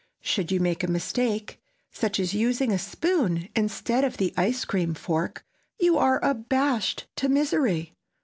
Should you make a mistake—such as using a spoon instead of the ice cream fork—you are abashed to misery.